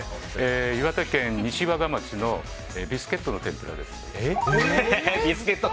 岩手県西和賀町のビスケットの天ぷらです。